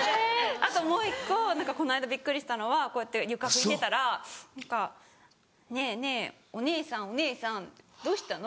あともう１個この間びっくりしたのはこうやって床拭いてたら「ねぇねぇお姉さんお姉さんどうしたの？」